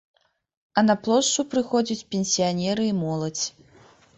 А на плошчу прыходзяць пенсіянеры і моладзь.